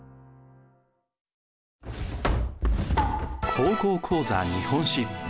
「高校講座日本史」。